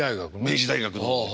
明治大学の方で。